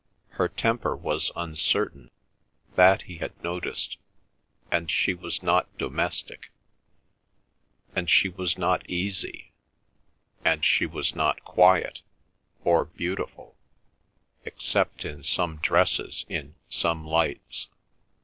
Her temper was uncertain—that he had noticed—and she was not domestic, and she was not easy, and she was not quiet, or beautiful, except in some dresses in some lights.